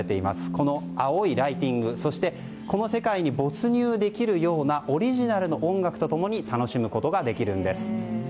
この青いライティング、そしてこの世界に没入できるようなオリジナルの音楽と共に楽しむことができるんです。